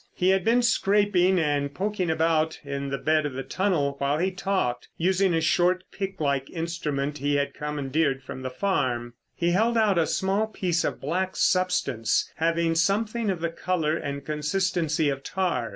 He had been scraping and poking about in the bed of the tunnel while he talked, using a short, pick like instrument he had commandeered from the farm. He held out a small piece of black substance having something of the colour and consistency of tar.